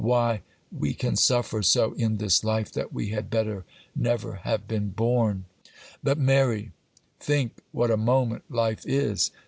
Why, we can suffer so in this life that we had better never have been born! 'But, Mary, think what a moment life is!